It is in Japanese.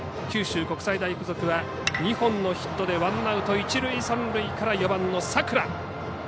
九州国際大付属は２本のヒットでワンアウト、一塁三塁から４番の佐倉。